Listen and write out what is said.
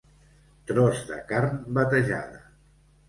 Tros de carn batejada.